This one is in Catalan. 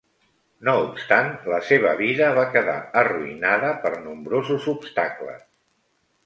No obstant, la seva vida va quedar arruïnada per nombrosos obstacles.